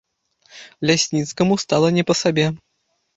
Лясніцкаму стала не па сабе.